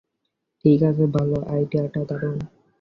ঠিক আছে, ভাল, আইডিয়াটা দারুণ।